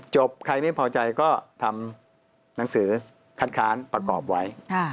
ใครไม่พอใจก็ทำหนังสือคัดค้านประกอบไว้